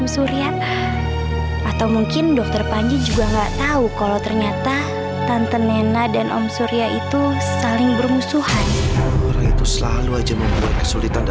sampai jumpa di video selanjutnya